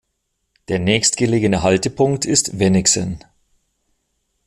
Der nächstgelegene Haltepunkt ist Wennigsen.